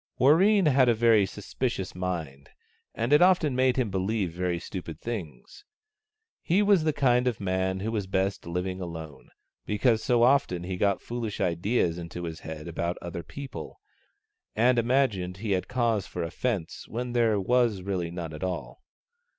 Warreen had a very suspicious mind, and it often made him believe very stupid things. He was the kind of man who was best living alone, because so often he got foolish ideas into his head about other people, and imagined he had cause for offence when there was really none at all.